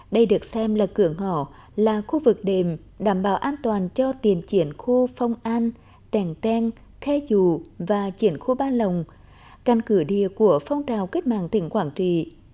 đây được xem là cửa ngõ là khu vực đềm đảm bảo an toàn cho tiền triển khu phong an tèn tèn khai dụ và triển khu ba lồng căn cửa địa của phong trào kết mạng tỉnh quảng trì